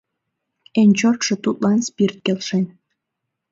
Эн чотшо тудлан спирт келшен.